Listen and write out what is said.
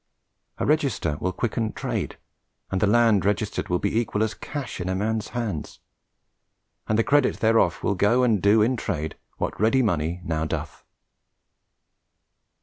A register will quicken trade, and the land registered will be equal as cash in a man's hands, and the credit thereof will go and do in trade what ready money now doth."